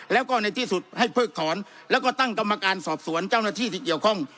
แล้วก็ในที่สุดให้เพิกถอนแล้วก็ตั้งกรรมการสอบสวนเจ้าหน้าที่ที่เกี่ยวข้อง